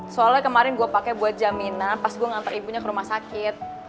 soalnya kemarin gue pakai buat jaminan pas gue ngantar ibunya ke rumah sakit